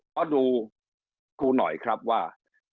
ขอดูกูหน่อยครับว่า